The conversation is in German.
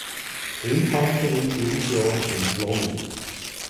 Infanteriedivision in Slonim.